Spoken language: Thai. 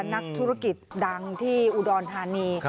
นักธุรกิจดังที่อุดรธานี